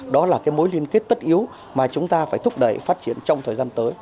đó là cái mối liên kết tất yếu mà chúng ta phải thúc đẩy